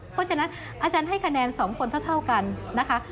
เพราะฉะนั้นอาจารย์ให้คะแนน๒คนเท่ากันนะคะ